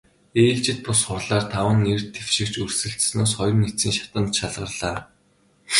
Ээлжит бус хурлаар таван нэр дэвшигч өрсөлдсөнөөс хоёр нь эцсийн шатанд шалгарлаа.